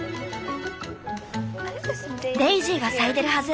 デイジーが咲いてるはず。